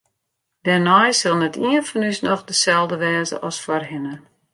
Dêrnei sil net ien fan ús noch deselde wêze as foarhinne.